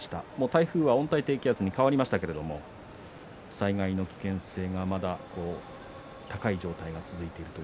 台風は温帯低気圧に変わりましたけれども災害の危険性がまだ高い状態が続いています。